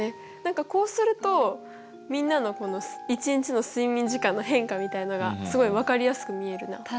何かこうするとみんなの１日の睡眠時間の変化みたいのがすごい分かりやすく見えるね。